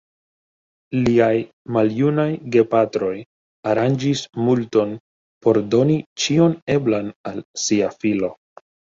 Liaj maljunaj gepatroj aranĝis multon por doni ĉion eblan al sia filo.